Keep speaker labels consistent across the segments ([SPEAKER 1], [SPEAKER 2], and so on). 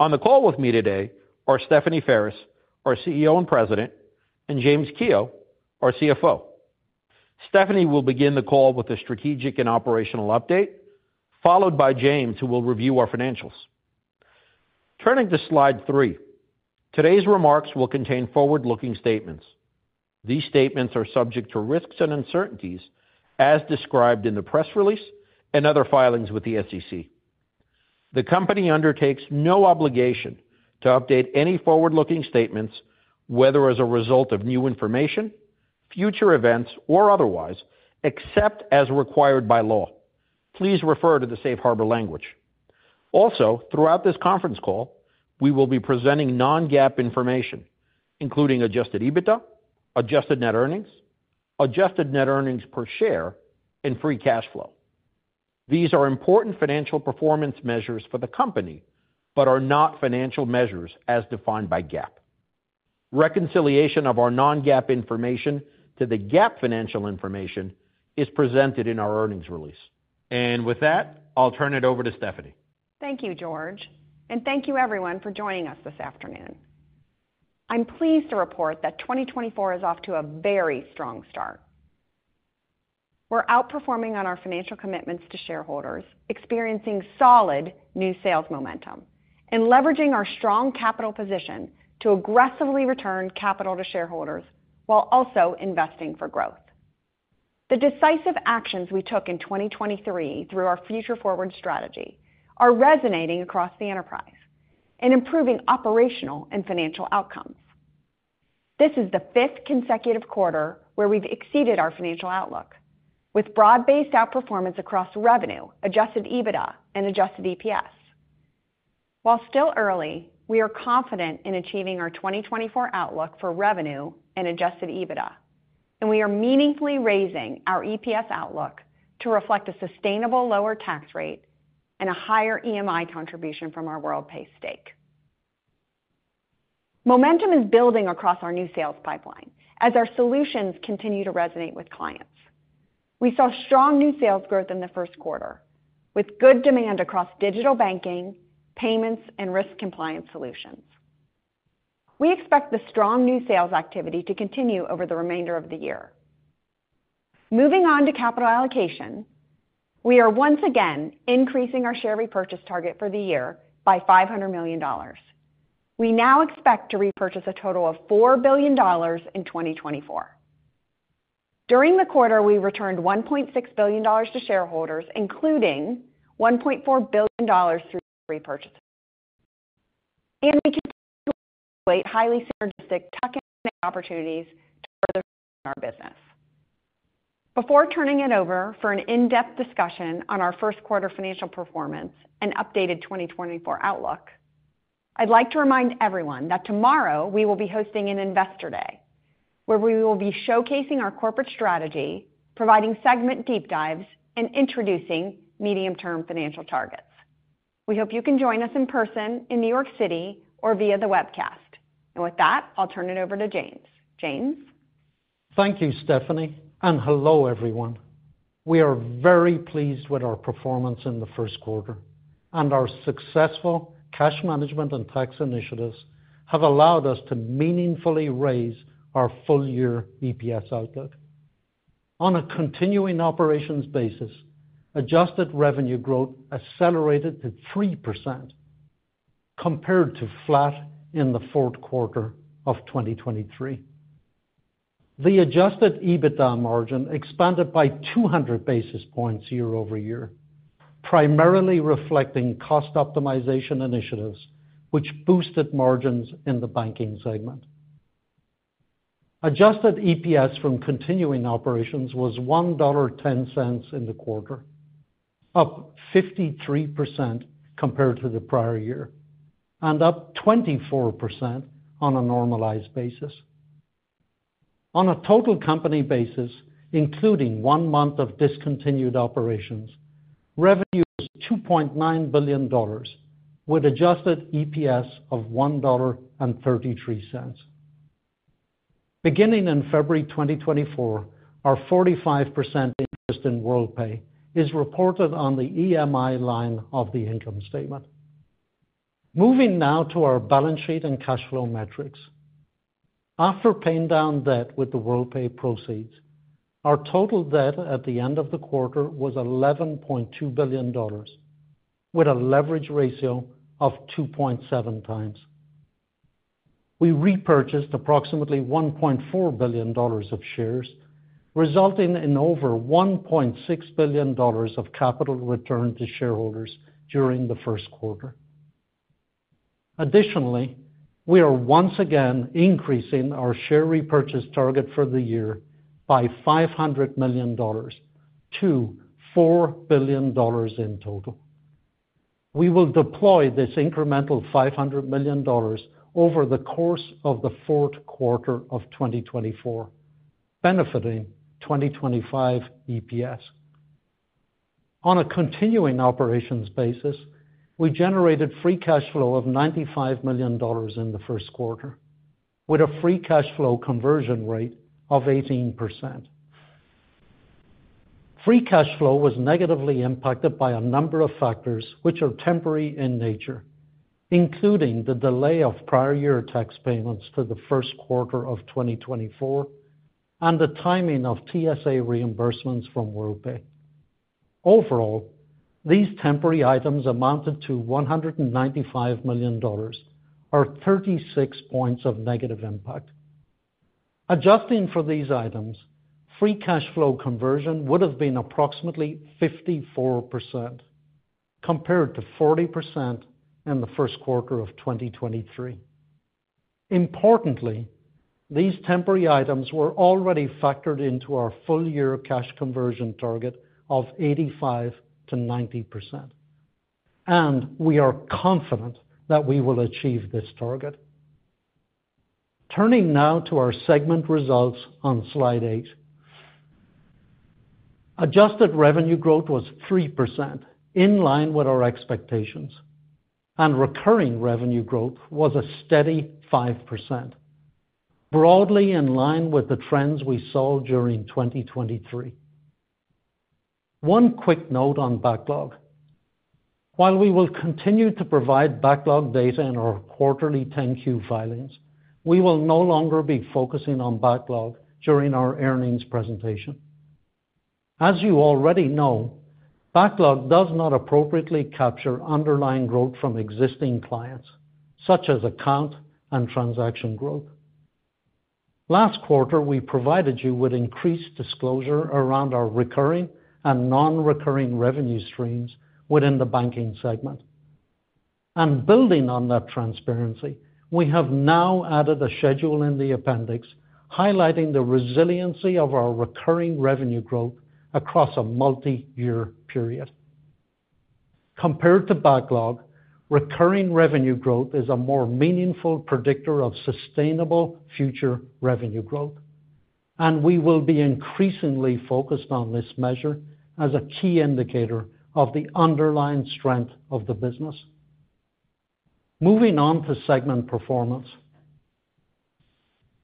[SPEAKER 1] On the call with me today are Stephanie Ferris, our CEO and President, and James Kehoe, our CFO. Stephanie will begin the call with a strategic and operational update, followed by James who will review our financials. Turning to slide three, today's remarks will contain forward-looking statements. These statements are subject to risks and uncertainties as described in the press release and other filings with the SEC. The company undertakes no obligation to update any forward-looking statements, whether as a result of new information, future events, or otherwise, except as required by law. Please refer to the safe harbor language. Also, throughout this conference call, we will be presenting non-GAAP information, including adjusted EBITDA, adjusted net earnings, adjusted net earnings per share, and free cash flow. These are important financial performance measures for the company, but are not financial measures as defined by GAAP. Reconciliation of our non-GAAP information to the GAAP financial information is presented in our earnings release. With that, I'll turn it over to Stephanie.
[SPEAKER 2] Thank you, George. Thank you, everyone, for joining us this afternoon. I'm pleased to report that 2024 is off to a very strong start. We're outperforming on our financial commitments to shareholders, experiencing solid new sales momentum, and leveraging our strong capital position to aggressively return capital to shareholders while also investing for growth. The decisive actions we took in 2023 through our Future Forward strategy are resonating across the enterprise and improving operational and financial outcomes. This is the fifth consecutive quarter where we've exceeded our financial outlook, with broad-based outperformance across revenue, adjusted EBITDA, and adjusted EPS. While still early, we are confident in achieving our 2024 outlook for revenue and adjusted EBITDA, and we are meaningfully raising our EPS outlook to reflect a sustainable lower tax rate and a higher EMI contribution from our Worldpay stake. Momentum is building across our new sales pipeline as our solutions continue to resonate with clients. We saw strong new sales growth in the first quarter, with good demand across digital banking, payments, and risk compliance solutions. We expect the strong new sales activity to continue over the remainder of the year. Moving on to capital allocation, we are once again increasing our share repurchase target for the year by $500 million. We now expect to repurchase a total of $4 billion in 2024. During the quarter, we returned $1.6 billion to shareholders, including $1.4 billion through repurchases. We continue to evaluate highly synergistic tuck-in opportunities to further strengthen our business. Before turning it over for an in-depth discussion on our first quarter financial performance and updated 2024 outlook, I'd like to remind everyone that tomorrow we will be hosting an Investor Day, where we will be showcasing our corporate strategy, providing segment deep dives, and introducing medium-term financial targets. We hope you can join us in person in New York City or via the webcast. With that, I'll turn it over to James. James?
[SPEAKER 3] Thank you, Stephanie. Hello, everyone. We are very pleased with our performance in the first quarter, and our successful cash management and tax initiatives have allowed us to meaningfully raise our full-year EPS outlook. On a continuing operations basis, adjusted revenue growth accelerated to 3% compared to flat in the fourth quarter of 2023. The adjusted EBITDA margin expanded by 200 basis points year-over-year, primarily reflecting cost optimization initiatives, which boosted margins in the banking segment. Adjusted EPS from continuing operations was $1.10 in the quarter, up 53% compared to the prior year, and up 24% on a normalized basis. On a total company basis, including one month of discontinued operations, revenue was $2.9 billion with adjusted EPS of $1.33. Beginning in February 2024, our 45% interest in Worldpay is reported on the EMI line of the income statement. Moving now to our balance sheet and cash flow metrics. After paying down debt with the Worldpay proceeds, our total debt at the end of the quarter was $11.2 billion, with a leverage ratio of 2.7x. We repurchased approximately $1.4 billion of shares, resulting in over $1.6 billion of capital return to shareholders during the first quarter. Additionally, we are once again increasing our share repurchase target for the year by $500 million to $4 billion in total. We will deploy this incremental $500 million over the course of the fourth quarter of 2024, benefiting 2025 EPS. On a continuing operations basis, we generated free cash flow of $95 million in the first quarter, with a free cash flow conversion rate of 18%. Free cash flow was negatively impacted by a number of factors which are temporary in nature, including the delay of prior year tax payments to the first quarter of 2024 and the timing of TSA reimbursements from Worldpay. Overall, these temporary items amounted to $195 million, or 36 points of negative impact. Adjusting for these items, free cash flow conversion would have been approximately 54% compared to 40% in the first quarter of 2023. Importantly, these temporary items were already factored into our full-year cash conversion target of 85%-90%. We are confident that we will achieve this target. Turning now to our segment results on slide eight. Adjusted revenue growth was 3%, in line with our expectations. Recurring revenue growth was a steady 5%, broadly in line with the trends we saw during 2023. One quick note on backlog. While we will continue to provide backlog data in our quarterly 10-Q filings, we will no longer be focusing on backlog during our earnings presentation. As you already know, backlog does not appropriately capture underlying growth from existing clients, such as account and transaction growth. Last quarter, we provided you with increased disclosure around our recurring and non-recurring revenue streams within the banking segment. Building on that transparency, we have now added a schedule in the appendix highlighting the resiliency of our recurring revenue growth across a multi-year period. Compared to backlog, recurring revenue growth is a more meaningful predictor of sustainable future revenue growth. We will be increasingly focused on this measure as a key indicator of the underlying strength of the business. Moving on to segment performance.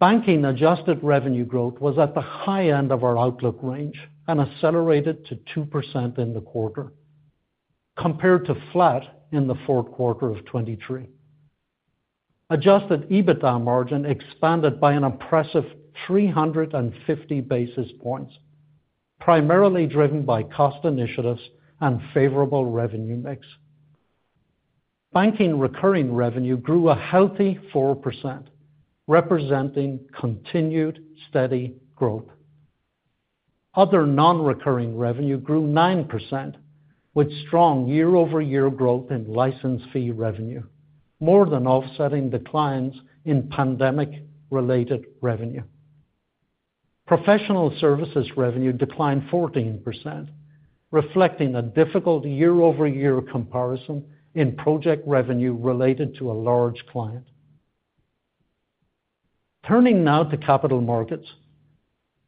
[SPEAKER 3] Banking adjusted revenue growth was at the high end of our outlook range and accelerated to 2% in the quarter, compared to flat in the fourth quarter of 2023. Adjusted EBITDA margin expanded by an impressive 350 basis points, primarily driven by cost initiatives and favorable revenue mix. Banking recurring revenue grew a healthy 4%, representing continued steady growth. Other non-recurring revenue grew 9%, with strong year-over-year growth in license fee revenue, more than offsetting declines in pandemic-related revenue. Professional services revenue declined 14%, reflecting a difficult year-over-year comparison in project revenue related to a large client. Turning now to Capital Markets.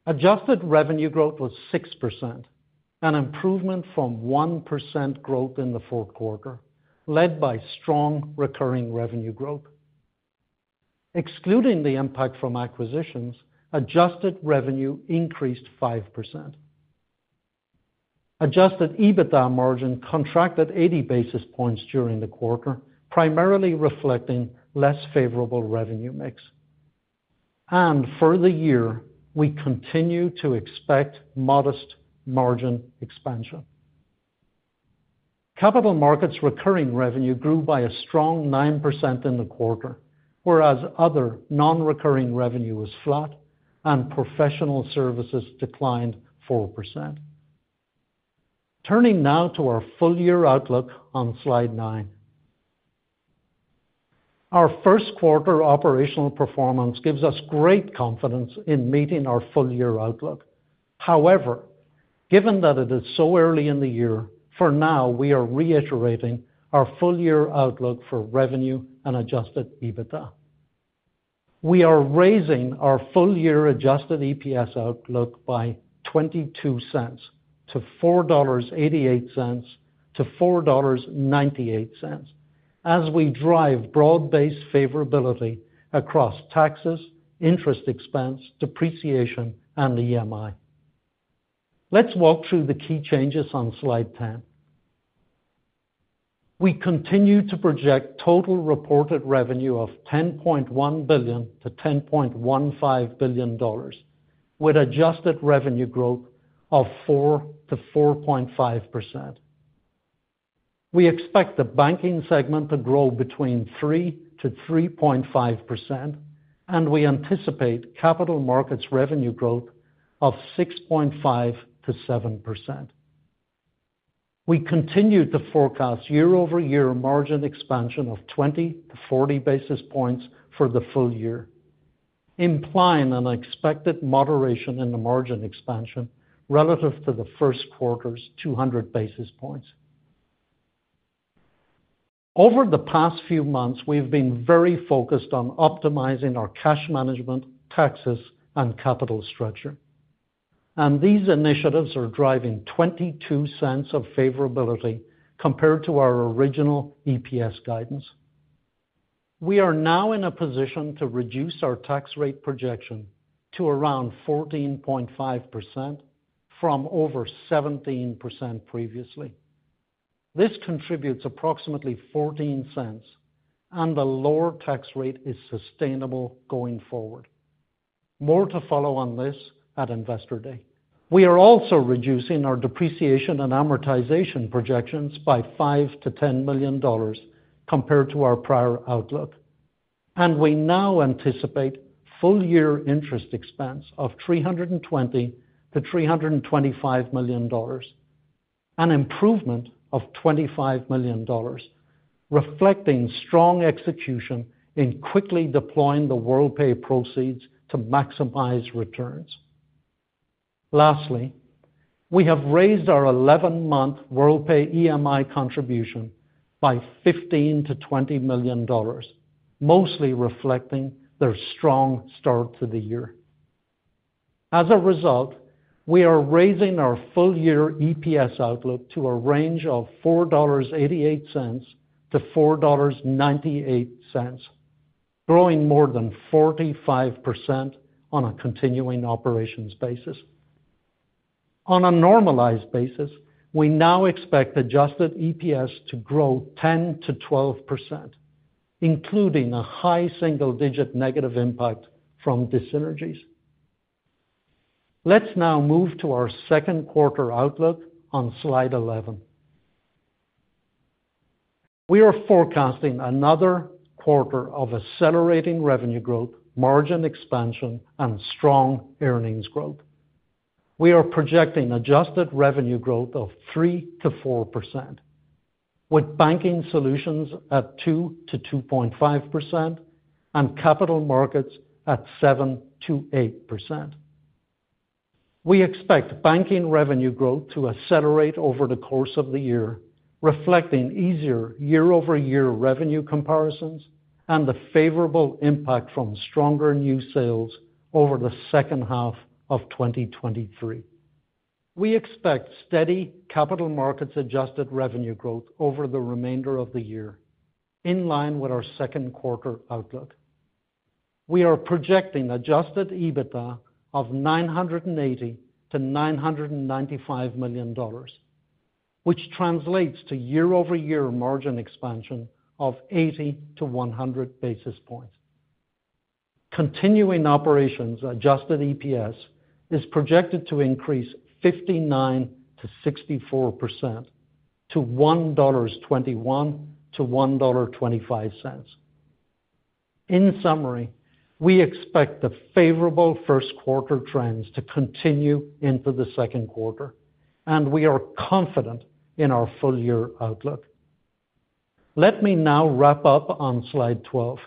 [SPEAKER 3] Adjusted revenue growth was 6%, an improvement from 1% growth in the fourth quarter, led by strong recurring revenue growth. Excluding the impact from acquisitions, adjusted revenue increased 5%. Adjusted EBITDA margin contracted 80 basis points during the quarter, primarily reflecting less favorable revenue mix. For the year, we continue to expect modest margin expansion. Capital Markets recurring revenue grew by a strong 9% in the quarter, whereas other non-recurring revenue was flat and professional services declined 4%. Turning now to our full-year outlook on slide 9. Our first quarter operational performance gives us great confidence in meeting our full-year outlook. However, given that it is so early in the year, for now, we are reiterating our full-year outlook for revenue and Adjusted EBITDA. We are raising our full-year Adjusted EPS outlook by $0.22 to $4.88-$4.98 as we drive broad-based favorability across taxes, interest expense, depreciation, and EMI. Let's walk through the key changes on slide 10. We continue to project total reported revenue of $10.1 billion-$10.15 billion, with adjusted revenue growth of 4%-4.5%. We expect the banking segment to grow between 3%-3.5%, and we anticipate Capital markets revenue growth of 6.5%-7%. We continue to forecast year-over-year margin expansion of 20-40 basis points for the full year, implying an expected moderation in the margin expansion relative to the first quarter's 200 basis points. Over the past few months, we have been very focused on optimizing our cash management, taxes, and capital structure. These initiatives are driving $0.22 of favorability compared to our original EPS guidance. We are now in a position to reduce our tax rate projection to around 14.5% from over 17% previously. This contributes approximately $0.14, and the lower tax rate is sustainable going forward. More to follow on this at Investor Day. We are also reducing our depreciation and amortization projections by $5 million-$10 million compared to our prior outlook. We now anticipate full-year interest expense of $320 million-$325 million, an improvement of $25 million, reflecting strong execution in quickly deploying the Worldpay proceeds to maximize returns. Lastly, we have raised our 11-month Worldpay EMI contribution by $15 million-$20 million, mostly reflecting their strong start to the year. As a result, we are raising our full-year EPS outlook to a range of $4.88-$4.98, growing more than 45% on a continuing operations basis. On a normalized basis, we now expect adjusted EPS to grow 10%-12%, including a high single-digit negative impact from dissynergies. Let's now move to our second quarter outlook on slide 11. We are forecasting another quarter of accelerating revenue growth, margin expansion, and strong earnings growth. We are projecting adjusted revenue growth of 3%-4%, with Banking Solutions at 2%-2.5% and Capital Markets at 7%-8%. We expect banking revenue growth to accelerate over the course of the year, reflecting easier year-over-year revenue comparisons and the favorable impact from stronger new sales over the second half of 2023. We expect steady Capital Markets adjusted revenue growth over the remainder of the year, in line with our second quarter outlook. We are projecting Adjusted EBITDA of $980 million-$995 million, which translates to year-over-year margin expansion of 80 to 100 basis points. Continuing operations Adjusted EPS is projected to increase 59%-64% to $1.21-$1.25. In summary, we expect the favorable first quarter trends to continue into the second quarter, and we are confident in our full-year outlook. Let me now wrap up on slide 12.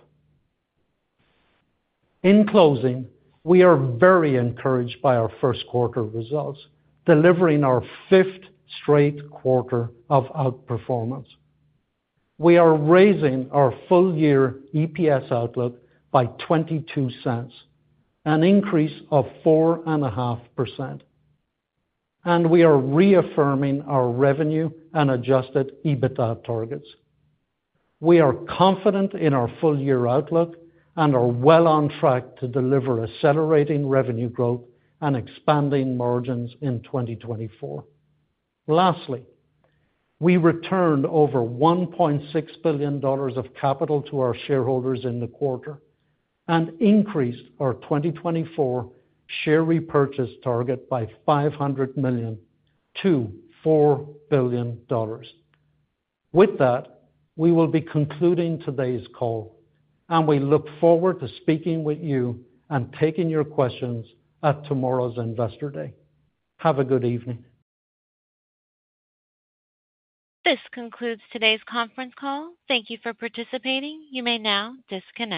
[SPEAKER 3] In closing, we are very encouraged by our first quarter results, delivering our fifth straight quarter of outperformance. We are raising our full-year EPS outlook by $0.22, an increase of 4.5%. We are reaffirming our revenue and adjusted EBITDA targets. We are confident in our full-year outlook and are well on track to deliver accelerating revenue growth and expanding margins in 2024. Lastly, we returned over $1.6 billion of capital to our shareholders in the quarter and increased our 2024 share repurchase target by $500 million-$4 billion. With that, we will be concluding today's call, and we look forward to speaking with you and taking your questions at tomorrow's Investor Day. Have a good evening. This concludes today's conference call. Thank you for participating. You may now disconnect.